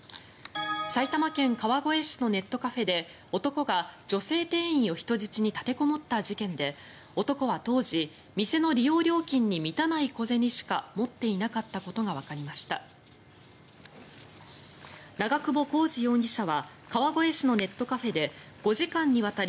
埼玉県川越市のネットカフェで男が女性店員を人質に立てこもった事件で男は当時店の利用料金に満たない小銭しか持っていなかったことがわかりました。